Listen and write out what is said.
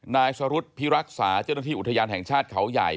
นายสรุธพิรักษาเจ้าหน้าที่อุทยานแห่งชาติเขาใหญ่